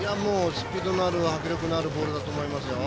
スピードのある迫力のあるボールだと思いますよ。